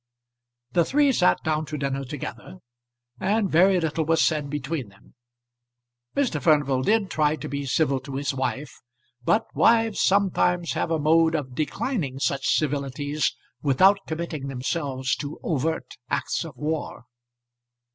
The three sat down to dinner together, and very little was said between them. Mr. Furnival did try to be civil to his wife, but wives sometimes have a mode of declining such civilities without committing themselves to overt acts of war.